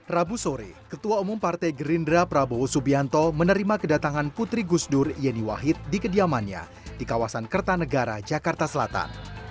rabu sore ketua umum partai gerindra prabowo subianto menerima kedatangan putri gusdur yeni wahid di kediamannya di kawasan kertanegara jakarta selatan